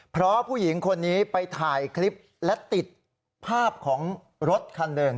เพราะผู้หญิงคนนี้ไปถ่ายคลิปและติดภาพของรถคันหนึ่ง